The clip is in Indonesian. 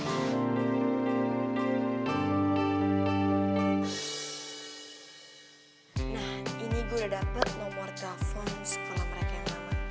nah ini gue dapat nomor telepon sekolah mereka yang lama